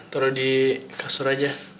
tunggu di kasur aja